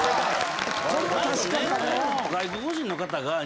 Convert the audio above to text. これは確かか。